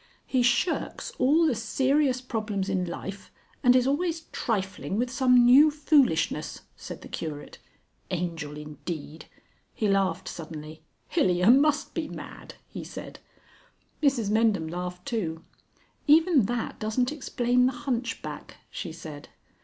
"He shirks all the serious problems in life and is always trifling with some new foolishness," said the Curate. "Angel indeed!" He laughed suddenly. "Hilyer must be mad," he said. Mrs Mendham laughed too. "Even that doesn't explain the hunchback," she said.